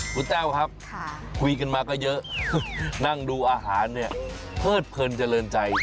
คุณแต้วครับคุยกันมาก็เยอะนั่งดูอาหารเนี่ยเพิดเพลินเจริญใจ